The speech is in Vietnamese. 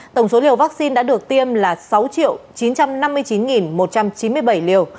tổng số liều vaccine đã được tiêm là sáu chín trăm năm mươi chín một trăm chín mươi bảy liều